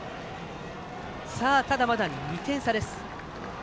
ただ、まだ２点差です。